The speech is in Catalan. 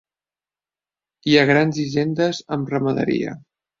Hi ha grans hisendes amb ramaderia.